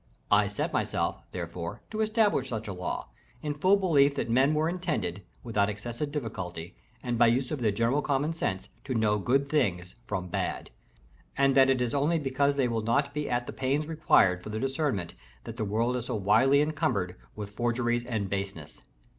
I set myself, therefore, to establish such a law, in full belief that men are intended, without excessive difficulty, and by use of their general common sense, to know good things from bad; and that it is only because they will not be at the pains required for the discernment, that the world is so widely encumbered with forgeries and basenesses.